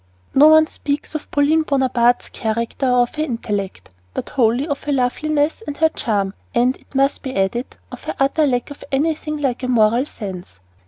No one speaks of Pauline Bonaparte's character or of her intellect, but wholly of her loveliness and charm, and, it must be added, of her utter lack of anything like a moral sense.